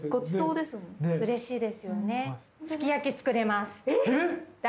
うれしいですよね。